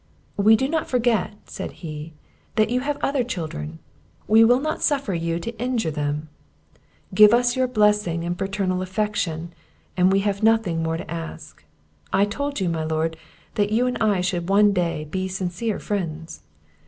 "We do not forget," said he, "that you have other children, we will not suffer you to injure them; give us your blessing and paternal affection, and we have nothing more to ask. I told you, my Lord, that you and I should one day be sincere friends."